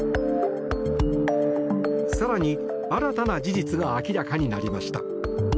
更に、新たな事実が明らかになりました。